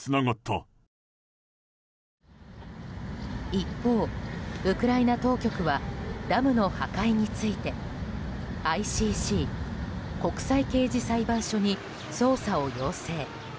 一方、ウクライナ当局はダムの破壊についてＩＣＣ・国際刑事裁判所に捜査を要請。